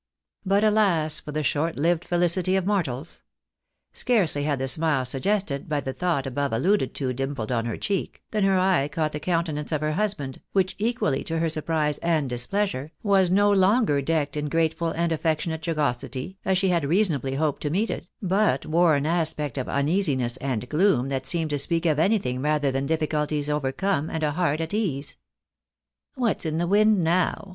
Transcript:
But, alas for the short lived felicity of mortals ! Scarcely had the smile suggested by the thought above alluded to dimpled on her cheek, than her eye caught the countenance of her husband, which, equally to her surprise and displeasure, was no longer decked in grateful and affectionate jocosity, as she had reasonably hoped to meet it, but wore an aspect of uneasiness and gloom that seemed to speak of anything rather than difficulties overcome, and a heart at ease. " What's in the wind now?"